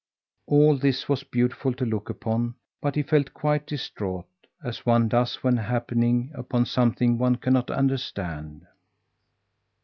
All this was beautiful to look upon, but he felt quite distraught as one does when happening upon something one cannot understand.